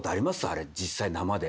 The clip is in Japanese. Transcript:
あれ実際生で。